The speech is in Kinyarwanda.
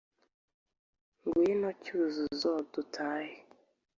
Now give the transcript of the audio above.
ngwino cyuzuzo dutahe